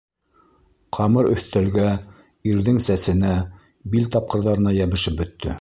Ҡамыр өҫтәлгә, ирҙең сәсенә, бил тапҡырҙарына йәбешеп бөттө.